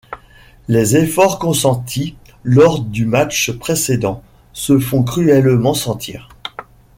Les efforts consentis lors du match précédent se font cruellement sentir.